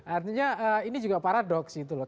artinya ini juga paradoks gitu loh